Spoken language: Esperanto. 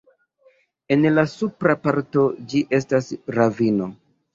En la supra parto ĝi estas ravino.